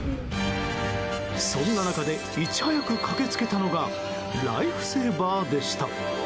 そんな中でいち早く駆け付けたのがライフセーバーでした。